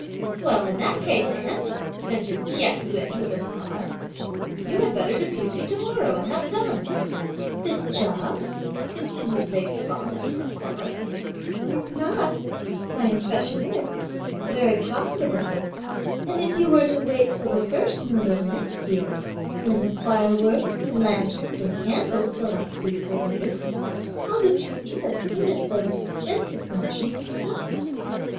"Well, in that case, aunt," ventured Chia Yün with a smile, "you had better depute me to morrow, and have done!" "This job," continued lady Feng after a pause, "is not, my impression is, very profitable; and if you were to wait till the first moon of next year, when the fireworks, lanterns, and candles will have to be purveyed, I'll depute you as soon as those extensive commissions turn up."